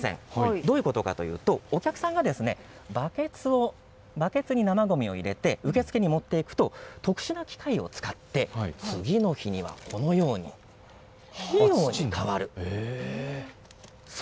どういうことかというとお客さんがバケツに生ごみを入れて受付に持って行くと特殊な機械を使って次の日にはこのように肥料に変わるんです。